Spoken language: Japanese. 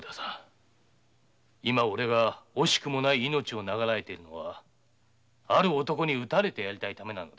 今俺が惜しくもない命を長らえているのはある男に討たれてやりたいためなのだ。